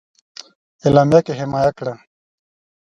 اعلامیه کې حمایه کړه.